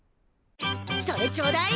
それちょうだい。